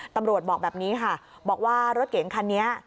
ตำรวจบอกแบบนี้ค่ะบอกว่ารถเก๋งคันนี้